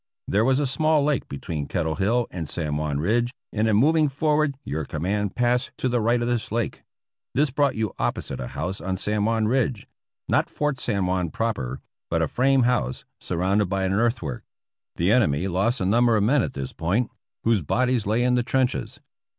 There was a small lake between Kettle Hill and San Juan Ridge, and in moving forward your command passed to the right of this lake. This brought you opposite a house on San Juan Ridge — not Fort San Juan proper, but a frame house surrounded by an earthwork. The enemy lost a num ber of men at this point, whose bodies lay in the trenches.